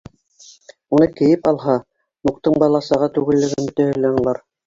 Уны кейеп алһа, Муктың бала-саға түгеллеген бөтәһе лә аңлар.